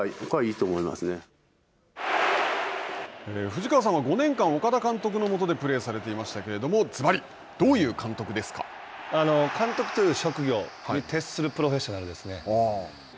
藤川さんは５年間岡田監督のもとでプレーされていましたけれども監督という職業に撤するプロフェッショナルですね。